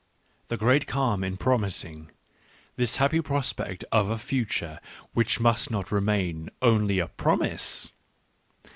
The great calm in promising, this happy prospect of a future which must not remain only a promise